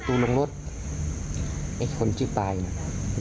ลูกเดิมในซั่ววรายการ